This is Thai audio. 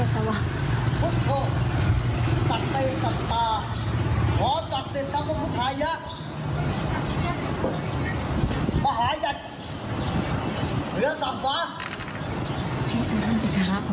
ผู้หกกระเต้นกับป่าบ่อจัดสินกรรมของปุ๊กฮายักษ์